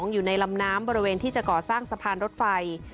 อยู่ในลำน้ำบริเวณที่จะก่อสร้างสะพานรถไฟ